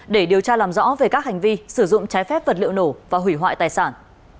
để điều tra làm rõ về các hành vi sử dụng trái phép vật liệu nổ và hủy hoại tài sản